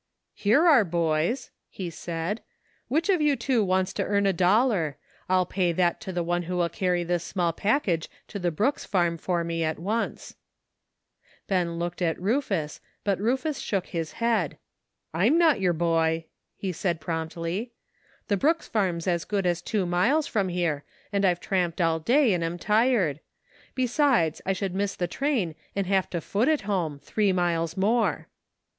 " Here are boys," he said ;" which of you two wants to earn a dollar ? I'll pay that to the one who will carry this small package to the Brooks farm for me at once." Pen looked ?^t Rufus, bi\t ^^i^^ sJioqI^ }i}^ 48 ''A PRETTY STATE OF THINGS.'* head. " I'm not your boy," he said promptly. " The Brooks farm's as good as two miles from here, and I've tramped all day and am tired; besides, I should miss the train and have to foot it home, three miles more."